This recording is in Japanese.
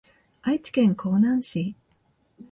愛知県江南市